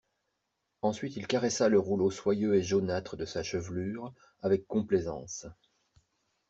Ensuite il caressa le rouleau soyeux et jaunâtre de sa chevelure, avec complaisance.